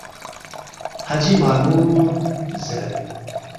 ”حاجی مانُور زیرید